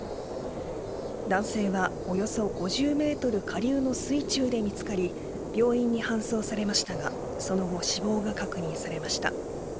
男性はおよそ５０メートル下流の水中で見つかり病院に搬送されましたがその後、死亡が確認されました。